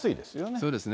そうですね。